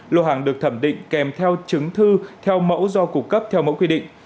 lộ hàng được thẩm định kèm theo chứng thư theo mẫu do cục cấp theo mẫu quy định